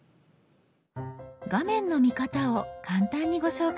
画面の見方を簡単にご紹介しましょう。